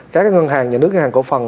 các ngân hàng nhà nước ngân hàng cổ phần